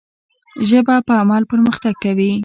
ژبه په عمل پرمختګ کوي.